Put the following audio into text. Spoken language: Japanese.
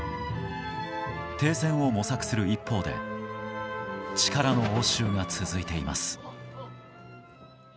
停戦を模索する一方で力の応酬が続いています。